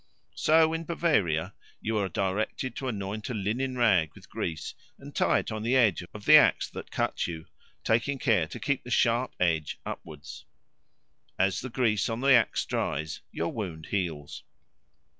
So in Bavaria you are directed to anoint a linen rag with grease and tie it on the edge of the axe that cut you, taking care to keep the sharp edge upwards. As the grease on the axe dries, your wound heals.